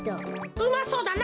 うまそうだな。